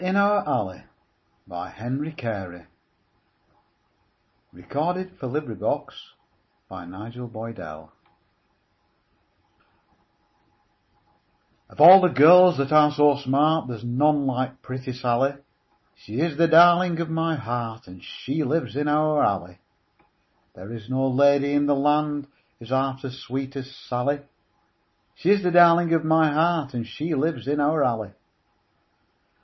G H . I J . K L . M N . O P . Q R . S T . U V . W X . Y Z Sally In Our Alley OF all the girls that are so smart There's none like pretty Sally; She is the darling of my heart, And she lives in our alley. There is no lady in the land Is half so sweet as Sally; She is the darling of my heart, And she lives in our alley.